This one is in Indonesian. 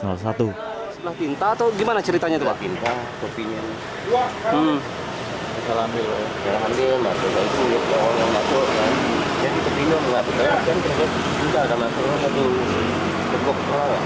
gimana ceritanya itu pak